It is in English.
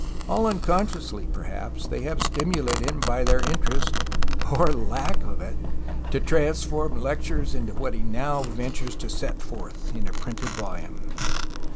All unconsciously, perhaps, they have stimulated him by their interest, or lack of it, to trans form lectures into what he now ventures to set forth in a printed volume.